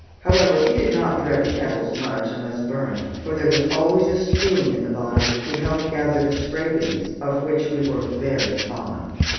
However, we did not dread the kettles much, unless burned, for there was always a spoon in the bottom to help to gather the scrapings, of which we were very fond.